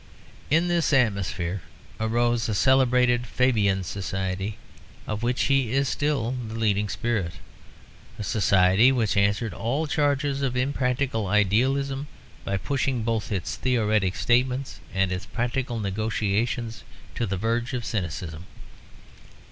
In this atmosphere arose a celebrated Fabian Society, of which he is still the leading spirit a society which answered all charges of impracticable idealism by pushing both its theoretic statements and its practical negotiations to the verge of cynicism.